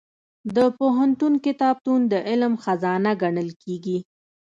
د پوهنتون کتابتون د علم خزانه ګڼل کېږي.